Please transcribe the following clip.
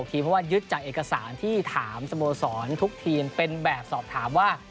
เพราะว่ายึดจากเอกสารที่ถามสโมสรทุกทีมเป็นแบบสอบถามว่า